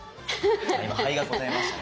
今肺が答えましたね。